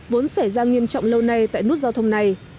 vốn xảy ra nghiêm trọng lâu nay tại nút giao thông này